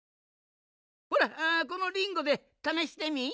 ほらこのリンゴでためしてみ？